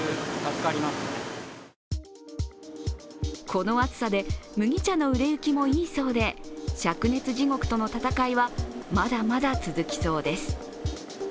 この暑さで、麦茶の売れ行きもいいそうで、しゃく熱地獄との戦いはまだまだ続きそうです。